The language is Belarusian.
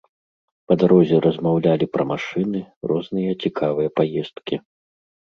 Па дарозе размаўлялі пра машыны, розныя цікавыя паездкі.